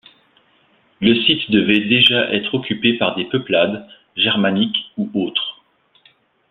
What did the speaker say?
Le site devait déjà être occupé par des peuplades, germaniques ou autres.